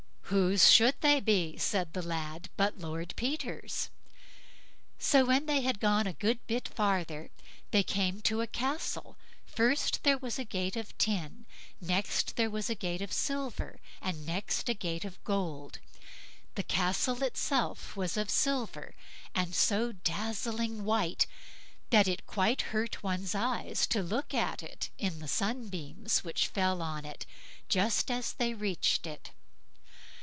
"Whose should they be", said the lad, "but Lord Peter's." So when they had gone a good bit farther, they came to a castle; first there was a gate of tin, and next there was a gate of silver, and next a gate of gold. The castle itself was of silver, and so dazzling white, that it quite hurt one's eyes to look at in the sunbeams which fell on it just as they reached it.